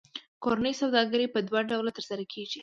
کورنۍ سوداګري په دوه ډوله ترسره کېږي